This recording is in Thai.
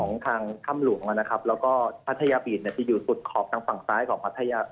ของทางถ้ำหลวงนะครับแล้วก็พัทยาบีชเนี่ยจะอยู่สุดขอบทางฝั่งซ้ายของพัทยา